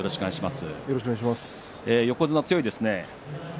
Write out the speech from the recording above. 横綱、強いですね。